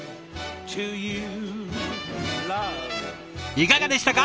いかがでしたか？